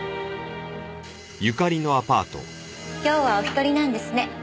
今日はお１人なんですね。